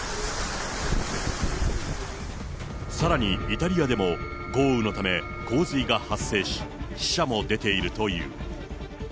さらにイタリアでも豪雨のため洪水が発生し、死者も出ているという。